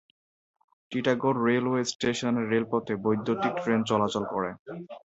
Titagarh railway স্টেশনের রেলপথে বৈদ্যুতীক ট্রেন চলাচল করে।